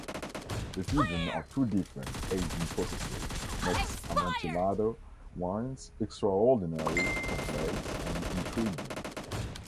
The fusion of two different aging processes makes Amontillado wines extraordinarily complex and intriguing.